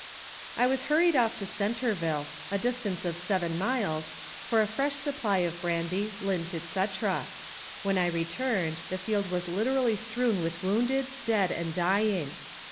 I was hurried off to Centerville, a distance of seven miles, for a fresh supply of brandy, lint, etc. When I returned, the field was literally strewn with wounded, dead and dying.